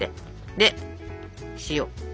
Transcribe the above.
で塩。